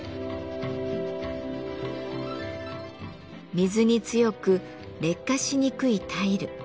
水に強く劣化しにくいタイル。